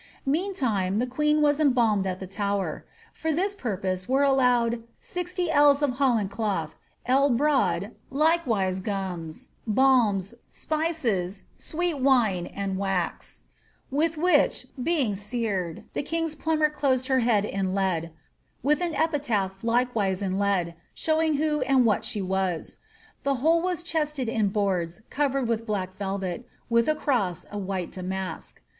Meantime, the queen was embalmed at the Tower ; for this purpose vere allowed ^ 60 ells of holland cloth ell broad, likewise gums, balms, Slices, sweet wine, and wax; with which, being cered, the king^s umber closed her in lead, with an epitaph likewise in lead, showing vho and what she was. The whole was chested in boards corered with black TeWet, with a cross of white damask.